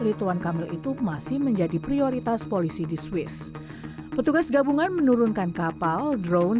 rituan kamil itu masih menjadi prioritas polisi di swiss petugas gabungan menurunkan kapal drone